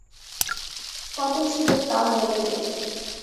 কত ছিল তা মনে নেই।